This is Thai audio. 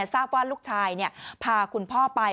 ทราบว่าลูกชายพาคุณพ่อไป